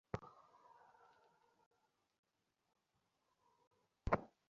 কিসের কথা বলছো?